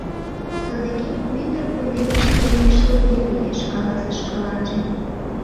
Содыки мӱндыр кундемыште лишыл еҥ лиеш, каласыш шкаланже.